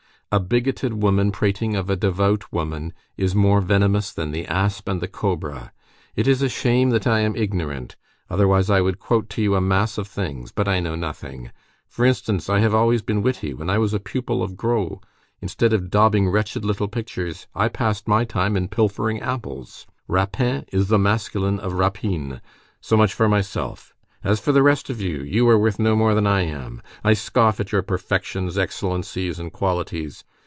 A bigoted woman prating of a devout woman is more venomous than the asp and the cobra. It is a shame that I am ignorant, otherwise I would quote to you a mass of things; but I know nothing. For instance, I have always been witty; when I was a pupil of Gros, instead of daubing wretched little pictures, I passed my time in pilfering apples; _rapin_24 is the masculine of rapine. So much for myself; as for the rest of you, you are worth no more than I am. I scoff at your perfections, excellencies, and qualities.